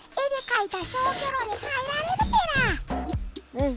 うん。